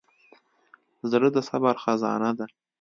زړه د صبر خزانه ده.